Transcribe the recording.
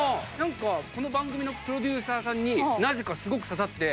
この番組のプロデューサーさんになぜかすごく刺さって。